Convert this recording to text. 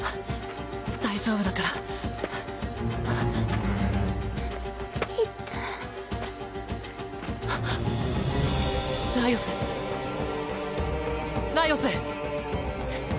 大丈夫だから痛ライオスライオス！